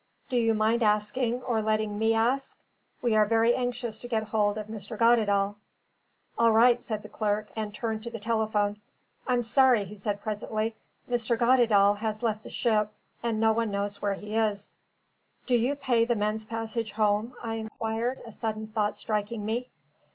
"Do you mind asking, or letting me ask? We are very anxious to get hold of Mr. Goddedaal." "All right," said the clerk, and turned to the telephone. "I'm sorry," he said presently, "Mr. Goddedaal has left the ship, and no one knows where he is." "Do you pay the men's passage home?" I inquired, a sudden thought striking me.